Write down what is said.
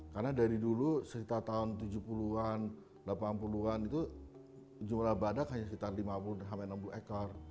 karena dari dulu sekitar tahun tujuh puluh an delapan puluh an itu jumlah badak hanya sekitar lima puluh enam puluh ekor